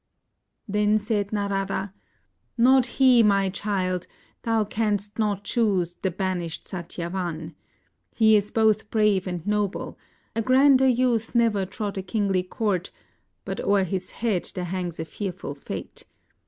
Then said Narada, "Not he, my child, — thou canst not choose the banished Satyavan. He is both brave and 14 SAVITRI'S CHOICE noble; a grander youth never trod a kingly court, but o'er his head there hangs a fearful fate.